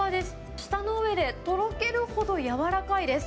舌の上でとろけるほど柔らかいです。